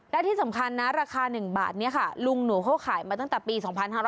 และที่สำคัญนะราคา๑บาทนี้ค่ะลุงหนูเขาขายมาตั้งแต่ปี๒๕๕๙